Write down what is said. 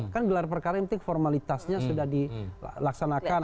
kan gelar perkara yang penting formalitasnya sudah dilaksanakan